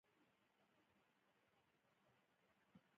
له یاکس پاساج څخه وروسته د ودانیو جوړول بند شول